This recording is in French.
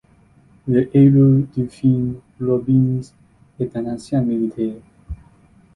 Le héros du film, Robbins, est un ancien militaire.